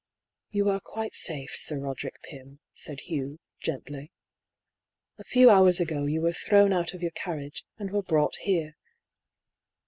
" You are quite safe. Sir Roderick Pym," said Hugh, gently. " A few hours ago you were thrown out of your carriage, and were brought here.